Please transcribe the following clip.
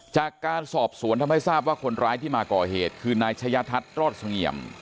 จากการสอบสวนทำให้ทราบว่าคนร้ายที่มาก่อเหตุคือนายชะยะทัศน์รอดเสงี่ยม